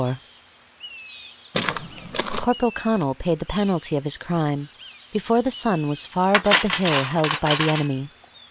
IV Corporal Connal paid the penalty of his crime before the sun was far above the hill held by the enemy.